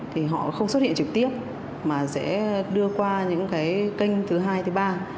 thì họ không xuất hiện trực tiếp mà sẽ đưa qua những cái kênh thứ hai thứ ba